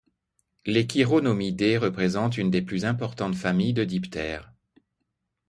Les chironomidés représentent une des plus importantes familles de diptères.